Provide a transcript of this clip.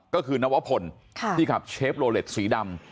ก็คือนวพลที่ขับเชฟโลเล็ตสีดำ